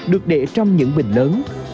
được để trong những bình lớn